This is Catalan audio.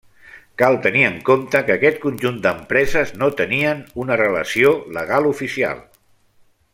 Cal tenir en compte que aquest conjunt d'empreses no tenien una relació legal oficial.